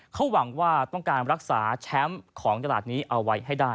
เขาหวังว่าต้องการรักษาแชมป์ของตลาดนี้เอาไว้ให้ได้